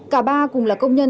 cả ba cùng là công nhân